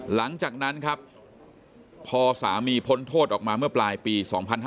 หลังจากนั้นครับพอสามีพ้นโทษออกมาเมื่อปลายปี๒๕๕๙